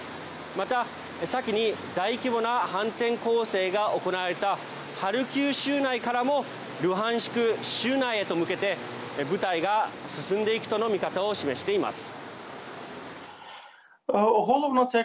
また先に大規模な反転攻勢が行われたハルキウ州内からもルハンシク州内へと向けて部隊が進んでいくとの見方を示しています。